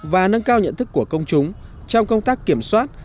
và nâng cao nhận thức của công chúng trong công tác kiểm soát